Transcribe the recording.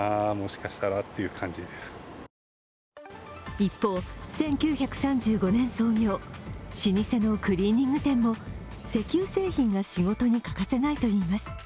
一方、１９３５年創業、老舗のクリーニング店も石油製品が仕事に欠かせないといいます。